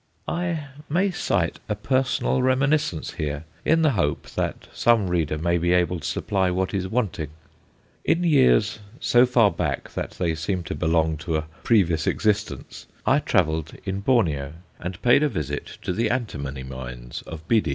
I may cite a personal reminiscence here, in the hope that some reader may be able to supply what is wanting. In years so far back that they seem to belong to a "previous existence," I travelled in Borneo, and paid a visit to the antimony mines of Bidi.